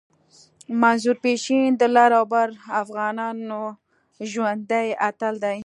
منظور پشتین د لر او بر افغانانو ژوندی اتل دی